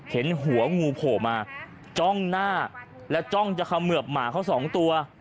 เห็นหัวงูโผล่มาจ้องหน้าแล้วจ้องจะเขมือบหมาเขาสองตัว